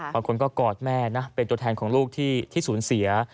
บางคนก็กอดแม่นะเป็นตัวแทนของลูกที่สูญเสีย